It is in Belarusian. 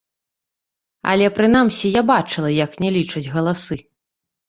Але, прынамсі, я бачыла, як не лічаць галасы.